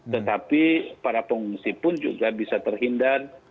tetapi para pengungsi pun juga bisa terhindar